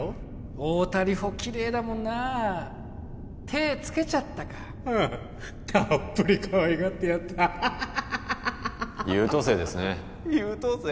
太田梨歩キレイだもんなあ手つけちゃったかうんたっぷりかわいがってやった優等生ですね優等生？